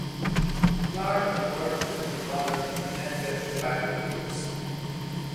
Clarke worked with her mother in Connecticut tobacco fields.